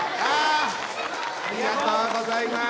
ありがとうございます。